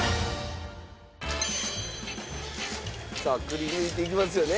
さあくり抜いていきますよね。